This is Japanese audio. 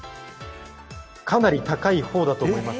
かなり高いほうだと思います。